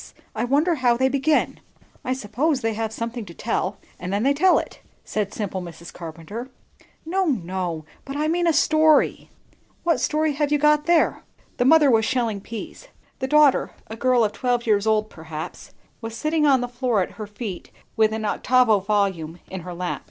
I wonder how they begin." "I suppose they have something to tell; and then they tell it," said simple Mrs. Carpenter. "No, no, but I mean a story." "What story have you got there?" The mother was shelling peas; the daughter, a girl of twelve years old perhaps, was sitting on the floor at her feet, with an octavo volume in her lap.